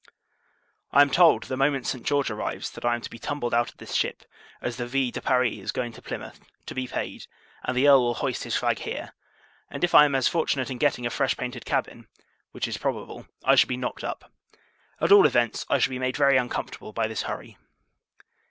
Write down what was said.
I am told, the moment St. George arrives, that I am to be tumbled out of this ship; as the Ville de Paris is going to Plymouth, to be paid, and the Earl will hoist his flag here: and if I am as fortunate in getting a fresh painted cabin, (which is probable) I shall be knocked up. At all events, I shall be made very uncomfortable by this hurry.